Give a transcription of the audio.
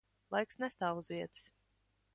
Laiks nestāv uz vietas.